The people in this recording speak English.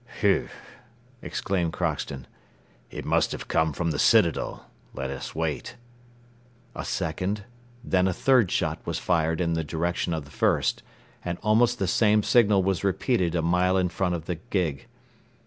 "Whew!" exclaimed Crockston. "It must have come from the citadel. Let us wait." A second, then a third shot was fired in the direction of the first, and almost the same signal was repeated a mile in front of the gig.